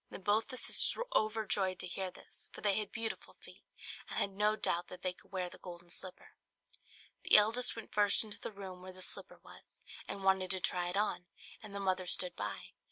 Then both the sisters were overjoyed to hear this; for they had beautiful feet, and had no doubt that they could wear the golden slipper. The eldest went first into the room where the slipper was, and wanted to try it on, and the mother stood by.